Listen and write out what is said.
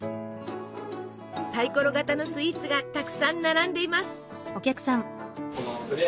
サイコロ型のスイーツがたくさん並んでいます！